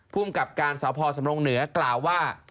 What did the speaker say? ผู้อำกับการสาวพอร์สำรงค์เหนือกล่าวว่า